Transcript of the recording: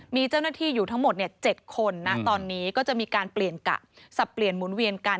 มีเจ้าหน้าที่อยู่ทั้งหมด๗คนนะตอนนี้ก็จะมีการเปลี่ยนกะสับเปลี่ยนหมุนเวียนกัน